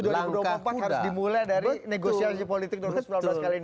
harus dimulai dari negosiasi politik dua ribu sembilan belas kali ini